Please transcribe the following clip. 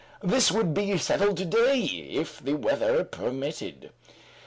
This would be settled to day if the weather permitted.